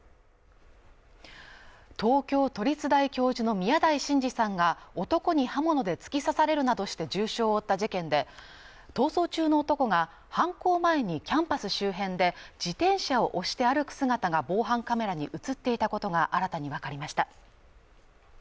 東京都立大教授の宮台真司さんが男に刃物で突き刺されるなどして重傷を負った事件で逃走中の男が犯行前にキャンパス周辺で自転車を押して歩く姿が防犯カメラに映っていたことが新たに分かりました